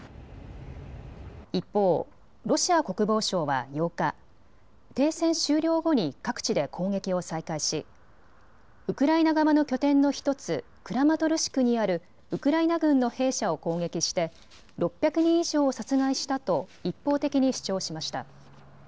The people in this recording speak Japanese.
一方、ロシア国防省は８日、停戦終了後に各地で攻撃を再開しウクライナ側の拠点の１つ、クラマトルシクにあるウクライナ軍の兵舎を攻撃して６００人以上を殺害したと一方的に主張しました。